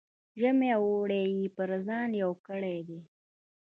ژمی او اوړی یې پر ځان یو کړی دی.